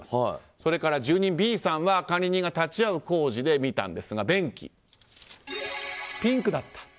それから、住人Ｂさんは管理人が立ち会う工事で見たんですが、便器がピンクだった。